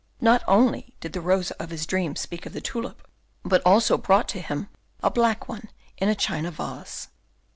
Not only did the Rosa of his dreams speak of the tulip, but also brought to him a black one in a china vase.